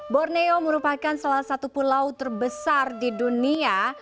borneo merupakan salah satu pulau terbesar di dunia